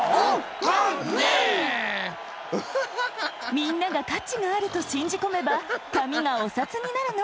みんながかちがあると信じこめば紙がお札になるの。